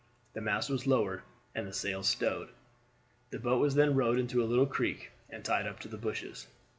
The mast was lowered and the sails stowed. The boat was then rowed into a little creek and tied up to the bushes.